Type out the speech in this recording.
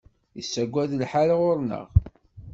Yessagad lḥal ɣur-neɣ.